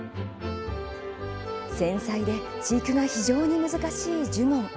繊細で飼育が非常に難しいジュゴン。